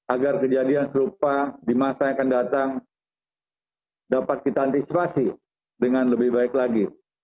agar kejadian serupa di masa yang akan datang dapat kita antisipasi dengan lebih baik lagi